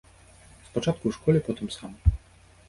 Спачатку ў школе, потым сам.